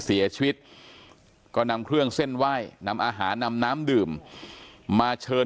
เสียชีวิตก็นำเครื่องเส้นไหว้นำอาหารนำน้ำดื่มมาเชิญ